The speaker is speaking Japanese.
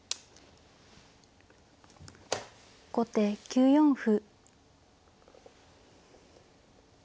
後手９四歩。